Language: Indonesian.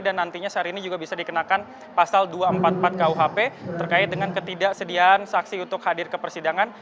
dan nantinya syahrini juga bisa dikenakan pasal dua ratus empat puluh empat kuhp terkait dengan ketidaksediaan saksi untuk hadir ke persidangan